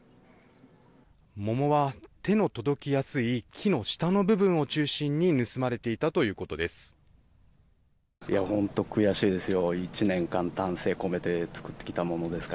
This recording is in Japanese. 桃は手の届きやすい木の下の部分を中心に盗まれていたということです。